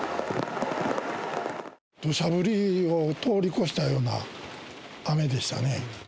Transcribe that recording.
どしゃ降りを通り越したような雨でしたね。